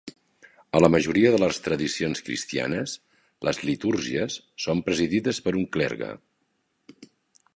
A la majoria de les tradicions cristianes, les litúrgies són presidides per un clergue.